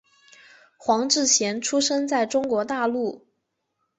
黄志贤出生在中国大陆。